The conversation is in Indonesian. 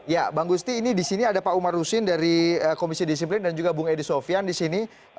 ya bang gusti ini disini ada pak umar husin dari komisi disiplin dan juga bung edi sofian disini